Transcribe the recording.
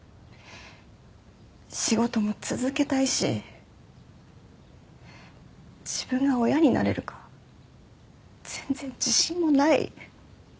仕事も続けたいし自分が親になれるか全然自信もない。